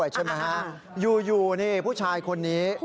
ใช่ไหมฮะอยู่นี่ผู้ชายคนนี้